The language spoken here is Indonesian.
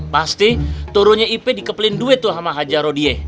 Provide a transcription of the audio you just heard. pasti turunnya ipe dikepeliin duit tuh sama haja rodie